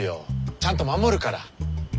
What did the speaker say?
ちゃんと守るから。